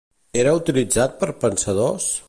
Era utilitzat per pensadors?